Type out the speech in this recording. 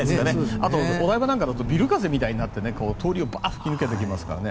あと、お台場なんかだとビル風みたいになって通りをバーッと吹き抜けていきますからね。